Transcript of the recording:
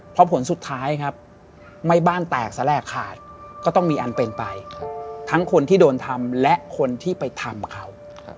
เพราะผลสุดท้ายครับไม่บ้านแตกแสลกขาดก็ต้องมีอันเป็นไปทั้งคนที่โดนทำและคนที่ไปทำเขา